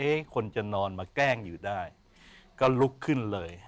คนจะนอนมาแกล้งอยู่ได้ก็ลุกขึ้นเลย